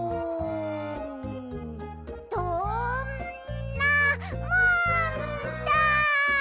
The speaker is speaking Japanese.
どんなもんだい！